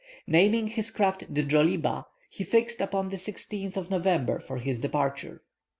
Naming his craft the Djoliba, he fixed upon the 16th of November for his departure.